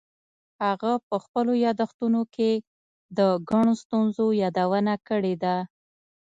هغه په خپلو یادښتونو کې د ګڼو ستونزو یادونه کړې ده.